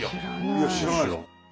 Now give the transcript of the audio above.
いや知らない。